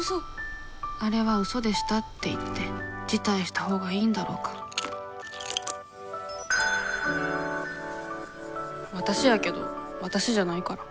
あれは嘘でしたって言って辞退したほうがいいんだろうかわたしやけどわたしじゃないから。